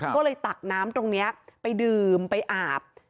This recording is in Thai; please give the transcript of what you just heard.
ก็เลยตักน้ำตรงนี้ไปดื่มไปอาบ